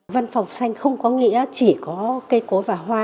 văn phòng xanh không có nghĩa chỉ có cây cối và hoa